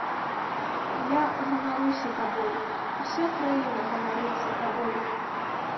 Я ганаруся табой, уся краіна ганарыцца табой.